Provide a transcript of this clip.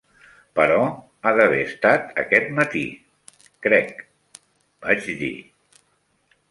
"Però ha d"haver estat aquest matí, crec", vaig dir.